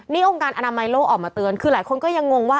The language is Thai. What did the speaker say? นี่องค์การอนามัยโลกออกมาเตือนคือหลายคนก็ยังงงว่า